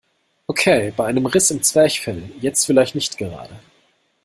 Okay, bei einem Riss im Zwerchfell jetzt vielleicht nicht gerade.